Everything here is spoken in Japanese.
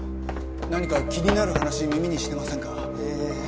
何か気になる話耳にしてませんか？